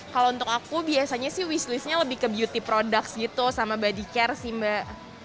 kalau untuk aku biasanya sih wish listnya lebih ke beauty products gitu sama body care sih mbak